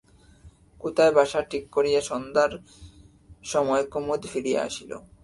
কোথায় বাসা ঠিক করিয়া সন্ধ্যার সময় কুমুদ ফিরিয়া আসিল।